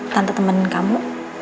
tante temenin kamu